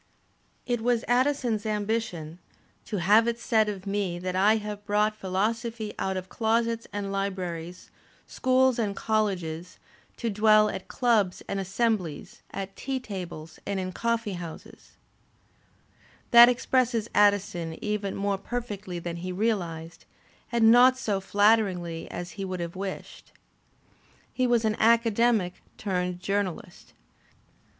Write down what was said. It was Addison's ambition "to have it said of me that I have brought philosophy out of closets and libraries, schools and colleges, to dwell at clubs and assemblies, at tea tables and in coflfee houses." That expresses Addison even more Digitized by Google 158 THE SPIRIT OP AMERICAN LITERATURE perfectly than he realized, and not so flatteringly as he would have wished. He was an academic turned journalist.